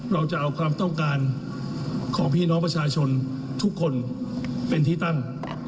เราจะเอาความต้องการของพี่น้องประชาชนทุกคนเป็นที่ตั้ง